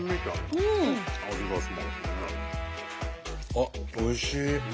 あっおいしい！